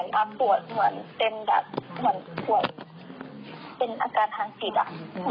เขาบอกว่าไม่ได้ป่วยครับแล้วก็ยิ้มหัวเราะอะไรอย่างนี้ค่ะ